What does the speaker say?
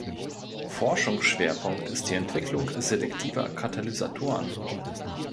Forschungsschwerpunkt ist die Entwicklung selektiver Katalysatoren.